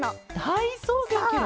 だいそうげんケロ？